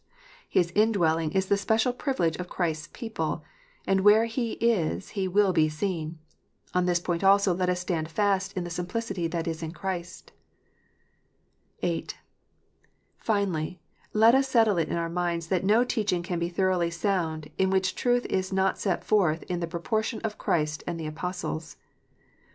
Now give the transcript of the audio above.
His indwelling is the special privilege of Christ s people, and where He is He will be seen. On this point also let us stand fast in the " simplicity that is in Christ." (8) Finally, let us settle it in our minds that no teaching can be thoroughly sound, in which truth is not set forth in the proportion of Clirist and the Apostles.